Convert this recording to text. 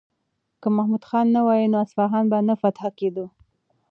که محمود خان نه وای نو اصفهان به نه فتح کېدو.